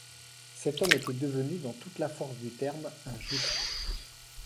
Cet homme était devenu, dans toute la force du terme, un juste.